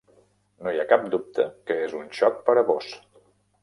No hi ha cap dubte que és un xoc per a vós.